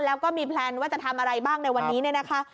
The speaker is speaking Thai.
แล้วก็มีแพลนว่าจะทำอะไรบ้างในวันนี้เนี่ยนะคะ